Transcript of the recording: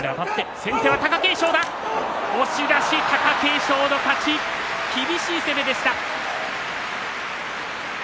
先手は貴景勝だ押し出し、貴景勝の勝ち厳しい攻めでした。